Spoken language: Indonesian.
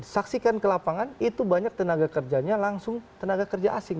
saksikan ke lapangan itu banyak tenaga kerjanya langsung tenaga kerja asing